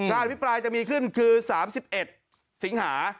อภิปรายจะมีขึ้นคือ๓๑สิงหา